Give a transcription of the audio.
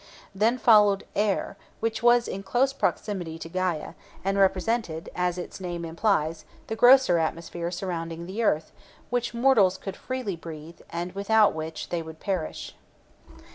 Then followed Aër (Air), which was in close proximity to Gæa, and represented, as its name implies, the grosser atmosphere surrounding the earth which mortals could freely breathe, and without which they would perish.